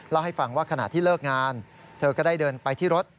เล่าให้ฟังว่าขณะที่เลิกงานเธอก็ได้เดินไปที่รถ